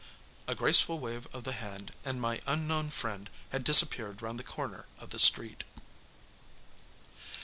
A graceful wave of the hand, and my unknown friend had disappeared round the corner of the street.